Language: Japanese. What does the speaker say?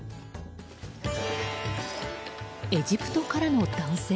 エジプトからの男性。